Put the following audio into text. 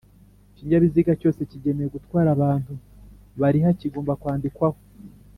Ikinyabiziga cyose kigenewe gutwara abantu bariha kigomba kwandikwaho